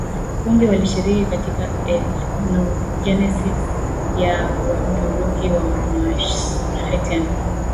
wengi walishiriki katika ethnogenesis ya Waturuki wa Meskhetian